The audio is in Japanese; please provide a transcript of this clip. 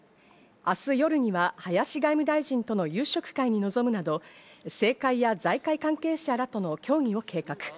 明日夜には林外務大臣との夕食会に臨むなど、政界や財界関係者らとの協議を計画。